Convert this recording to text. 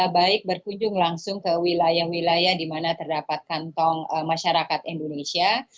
baik berkunjung langsung ke wilayah wilayah di mana terdapat kantong masyarakat indonesia